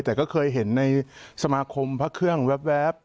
แต่ก็เคยเห็นในสมาคมพระเครื่องแว๊บ